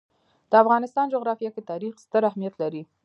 د افغانستان جغرافیه کې تاریخ ستر اهمیت لري.